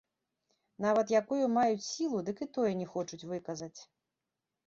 Нават якую маюць сілу, дык і тое не хочуць выказаць.